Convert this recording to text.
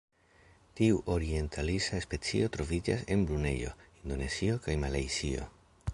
Tiu orientalisa specio troviĝas en Brunejo, Indonezio kaj Malajzio.